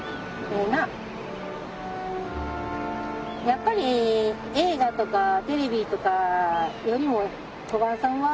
やっぱり映画とかテレビとかよりも小雁さんは。